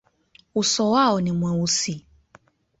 Uso wao ni mweusi.